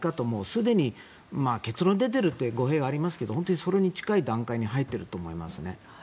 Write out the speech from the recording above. すでに結論が出ているって語弊がありますが本当にそれに近い段階に入っていると思いますね。